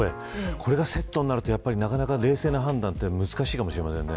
これがセットになるとやっぱりなかなか冷静な判断は難しいかもしれませんね。